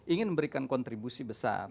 ingin memberikan kontribusi besar